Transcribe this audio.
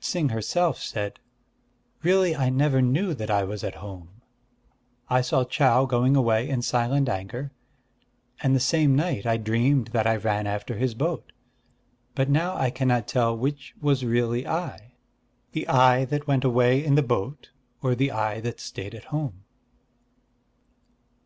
Ts'ing herself said: "Really I never knew that I was at home. I saw Chau going away in silent anger; and the same night I dreamed that I ran after his boat.... But now I cannot tell which was really I, the I that went away in the boat, or the I that stayed at home."